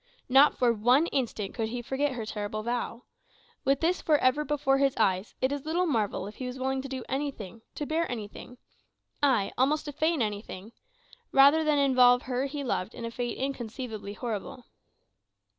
Not for one instant could he forget her terrible vow. With this for ever before his eyes, it is little marvel if he was willing to do anything, to bear anything ay, almost to feign anything rather than involve her he loved in a fate inconceivably horrible.